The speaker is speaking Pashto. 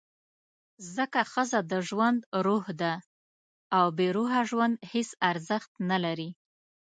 ځکه ښځه د ژوند «روح» ده، او بېروحه ژوند هېڅ ارزښت نه لري.